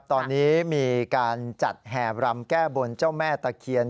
ตอนนี้มีการจัดแห่บรำแก้บนเจ้าแม่ตะเคียน